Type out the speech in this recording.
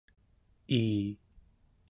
ii